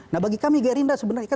nah bagi kami gerindra sebenarnya